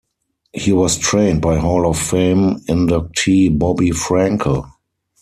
He was trained by Hall of Fame inductee Bobby Frankel.